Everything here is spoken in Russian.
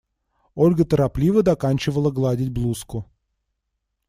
Ольга торопливо доканчивала гладить блузку.